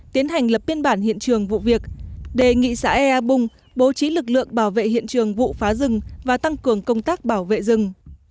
tiến hành lập biên bản hiện trường vụ việc đề nghị xã ea bung bố trí lực lượng bảo vệ hiện trường vụ phá rừng và tăng cường công tác bảo vệ rừng